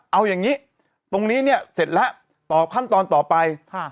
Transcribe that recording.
เอาอย่างนี้ตรงนี้เนี่ยเสร็จแล้วตอบขั้นตอนต่อไป